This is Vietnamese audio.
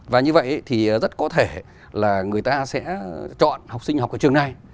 và như vậy thì rất có thể là người ta sẽ chọn học sinh học ở trường này